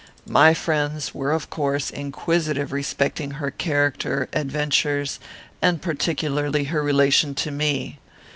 My friends were of course inquisitive respecting her character, adventures, and particularly her relation to me.